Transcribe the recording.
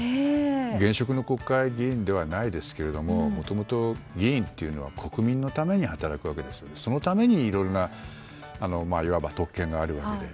現職の国会議員ではないですがもともと議員というのは国民のために働くわけで、そのためにいろいろな特権があるわけで。